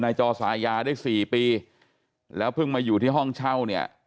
จอสายาได้สี่ปีแล้วเพิ่งมาอยู่ที่ห้องเช่าเนี่ย